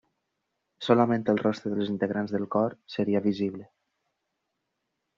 Solament el rostre dels integrants del cor seria visible.